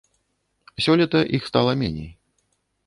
Сёлета іх стала меней.